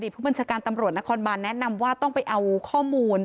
อดีตผู้บัญชาการตำรวจนขอร์นบาร์แนนำว่าต้องไปเอาข้อมูล